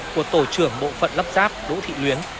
của tổ trưởng bộ phận lắp ráp đỗ thị luyến